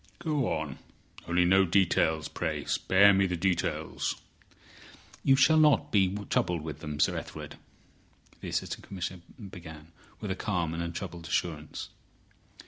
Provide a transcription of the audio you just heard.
Go on. Only no details, pray. Spare me the details." "You shall not be troubled with them, Sir Ethelred," the Assistant Commissioner began, with a calm and untroubled assurance.